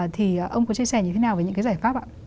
thì ông có chia sẻ như thế nào về những cái giải pháp ạ